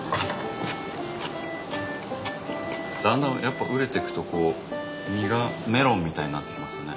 だんだんやっぱ熟れてくとこう実がメロンみたいになってきますね。